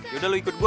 yaudah lo ikut gue